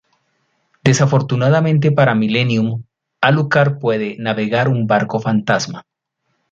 Desafortunadamente para Millennium, Alucard puede navegar un barco fantasma.